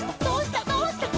どうした？」